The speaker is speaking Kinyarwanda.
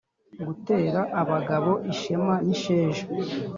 Gitera abagabo ishema n'isheja